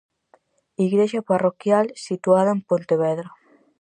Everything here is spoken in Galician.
Igrexa parroquial situada en Pontevedra.